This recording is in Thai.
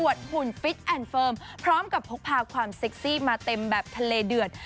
หุ่นฟิตแอนด์เฟิร์มพร้อมกับพกพาความเซ็กซี่มาเต็มแบบทะเลเดือด